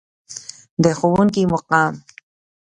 د ښوونکي مقام.